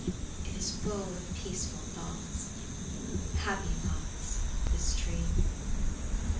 It is full of peaceful thoughts, happy thoughts, this tree.